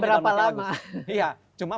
berapa lama ya cuma